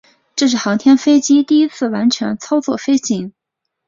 这是航天飞机第一次完全操作飞行。